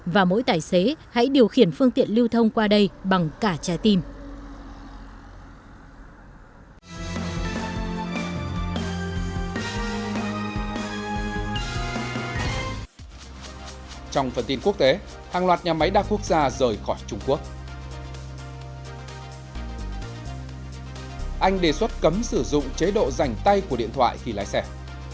và mỗi tài xế hãy điều khiển phương tiện lưu thông qua đây bằng cả trái tim